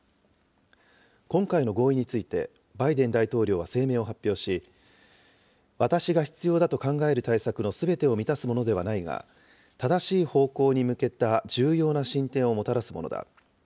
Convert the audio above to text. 今回の合意について、バイデン大統領は声明を発表し、私が必要だと考える対策のすべてを満たすものではないが、正しい方向に向けた重要な進展をもたらすものだ。